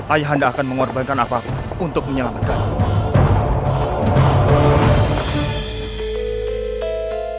ayah anda akan mengorbankan apa apa untuk menyelamatkanmu